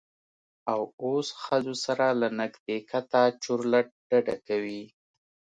او اوس ښځو سره له نږدیکته چورلټ ډډه کوي.